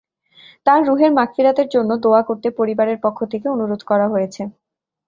তাঁর রুহের মাগফিরাতের জন্য দোয়া করতে পরিবারের পক্ষ থেকে অনুরোধ করা হয়েছে।